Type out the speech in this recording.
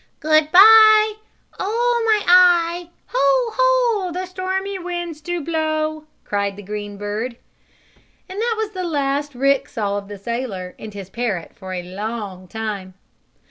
"Good bye! Oh, my eye! Ho! Ho! The stormy winds do blow!" cried the green bird. And that was the last Rick saw of the sailor and his parrot for a long time.